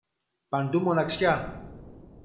Παντού μοναξιά.